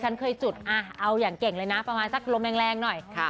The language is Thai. ฉันเคยจุดเอาอย่างเก่งเลยนะประมาณสักลมแรงหน่อย